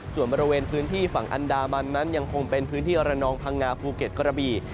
ส่วนบริเวณพื้นที่ฝั่งอันดามันนั้นยังคงเป็นพื้นที่ระนองพังงาภูเก็ตกระบี่